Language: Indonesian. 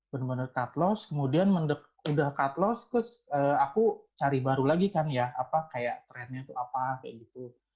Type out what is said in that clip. bener bener cut loss kemudian udah cut loss terus aku cari baru lagi kan ya apa kayak trendnya itu apa kayak gitu